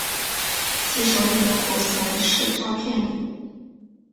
其首领的头衔是召片领。